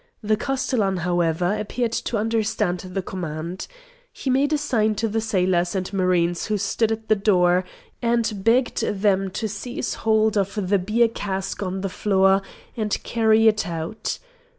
The castellan, however, appeared to understand the command. He made a sign to the sailors and marines who stood at the door, and begged them to seize hold of the beer cask on the floor and carry it out.